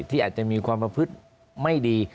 ที่อาจจะมีความประพฤติไม่ดี